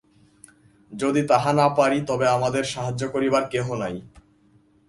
যদি তাহা না পারি, তবে আমাদের সাহায্য করিবার কেহ নাই।